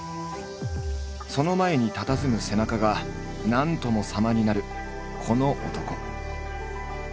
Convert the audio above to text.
その前にたたずむ背中が何とも様になるこの男。